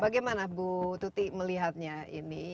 bagaimana bu tuti melihatnya ini